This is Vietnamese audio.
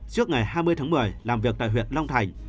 trước ngày hai mươi tháng một mươi làm việc tại huyện long thành